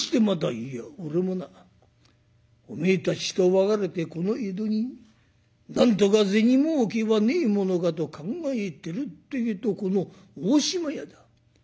「いや俺もなおめえたちと分かれてこの江戸になんとか銭もうけはねえものかと考えてるってえとこの大島屋だ。